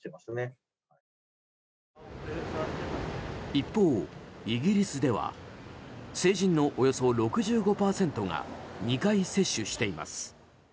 一方、イギリスでは成人のおよそ６５％が２回接種しています。